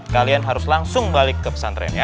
kalian harus langsung balik ke pesantrennya